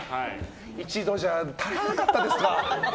一度じゃ足りなかったですか？